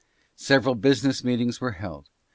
Several business meetings were held.